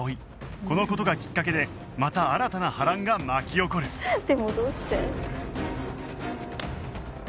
この事がきっかけでまた新たな波乱が巻き起こるでもどうして？